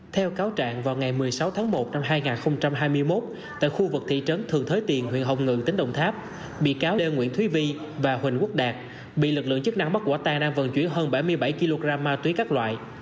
theo cáo trạng vào ngày một mươi sáu tháng một năm hai nghìn hai mươi một tại khu vực thị trấn thường thới tiền huyện hồng ngự tỉnh đồng tháp bị cáo lê nguyễn thúy vi và huỳnh quốc đạt bị lực lượng chức năng bắt quả tang đang vận chuyển hơn bảy mươi bảy kg ma túy các loại